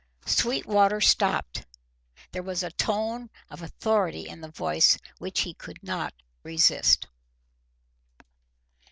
Sweetwater stopped. There was a tone of authority in the voice which he could not resist.